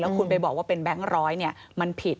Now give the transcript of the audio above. คุณไปบอกว่าเป็นแบงค์ร้อยมันผิด